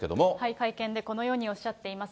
会見でこのようにおっしゃっています。